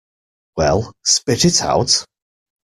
Well, spit it out!